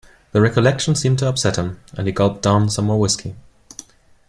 The recollection seemed to upset him, and he gulped down some more whisky.